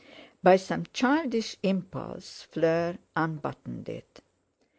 By some childish impulse Fleur unbuttoned it.